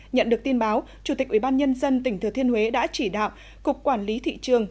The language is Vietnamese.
nhận được tin báo chủ tịch ubnd tỉnh thừa thiên huế đã chỉ đạo cục quản lý thị trường